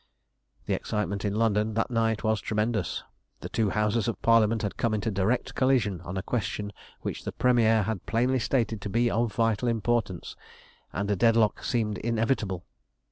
The excitement in London that night was tremendous. The two Houses of Parliament had come into direct collision on a question which the Premier had plainly stated to be of vital importance, and a deadlock seemed inevitable.